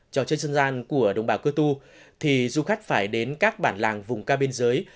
trò chơi dân gian của đồng bào cơ tu thì du khách phải đến các bản làng vùng cao biên giới